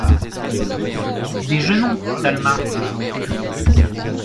Déjeunons, Talma.